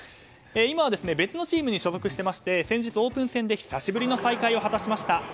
今は別のチームに所属してまして先日、オープン戦で久しぶりの再会を果たしました。